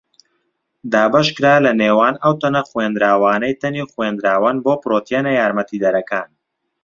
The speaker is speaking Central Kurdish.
دابەشکرا لە نێوان ئەو تەنە خوێندراوانەی تەنی خوێندراوەن بۆ پڕۆتیەنە یارمەتیدەرەکان.